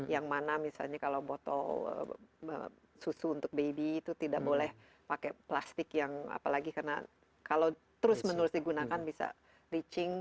yang mana misalnya kalau botol susu untuk baby itu tidak boleh pakai plastik yang apalagi karena kalau terus menerus digunakan bisa leaching